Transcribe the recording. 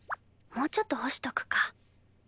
もうちょっと干しとくか。